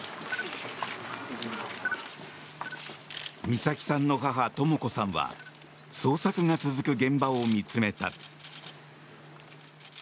美咲さんの母・とも子さんは捜索が続く現場を見つめた。